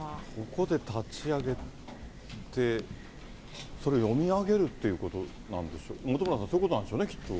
ここで立ち上げて、それを読み上げるっていうことなんでしょう、本村さん、そういうことなんでしょうね、きっと。